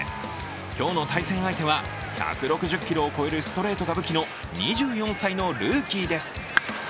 今日の対戦相手は１６０キロを超えるストレートが武器の２４歳のルーキーです。